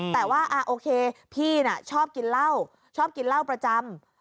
แต่ว่าโอเคพี่น่ะชอบกินเหล้าชอบกินเหล้าประจำ